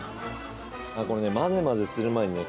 これね混ぜ混ぜする前にね。